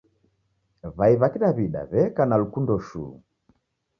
W'ai w'a kidaw'ida w'eka na lukundo shuu.